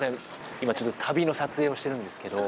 今、旅の撮影をしてるんですけど。